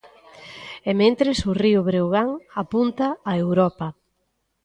E mentres, o Río Breogán apunta a Europa.